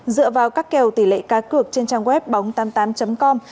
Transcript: dựa vào các kèo tỷ lệ cá cược trên trang web bóng tám mươi tám com